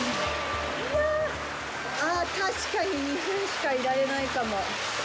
確かに２分しかいられないかも。